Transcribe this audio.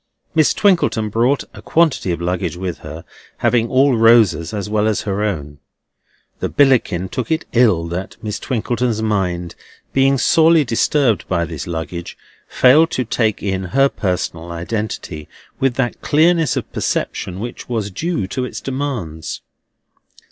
Miss Twinkleton brought a quantity of luggage with her, having all Rosa's as well as her own. The Billickin took it ill that Miss Twinkleton's mind, being sorely disturbed by this luggage, failed to take in her personal identity with that clearness of perception which was due to its demands.